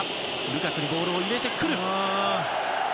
ルカクにボールを入れてくる。